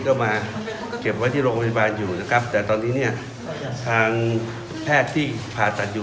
ก็มาเก็บไว้ที่โรงพยาบาลอยู่นะครับแต่ตอนนี้เนี่ยทางแพทย์ที่ผ่าตัดอยู่